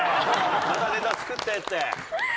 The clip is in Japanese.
またネタ作ってって。